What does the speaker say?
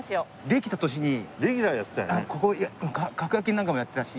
できた年にレギュラーやってたよね。